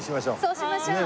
そうしましょう！